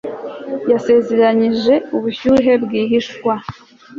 yasezeranije ubushyuhe bwihishwa